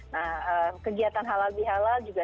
nah kegiatan halal bihalal juga